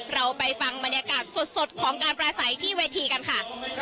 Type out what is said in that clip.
เราไปฟังบรรยากาศสดของการปราศัยที่เวทีกันค่ะ